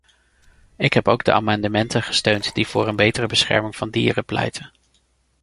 Ik heb ook de amendementen gesteund die voor een betere bescherming van dieren pleiten.